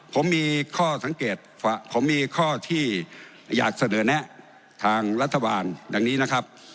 ผมมีข้อสังเกตผมมีข้อที่อยากเสนอแนะทางรัฐบาลดังนี้นะครับ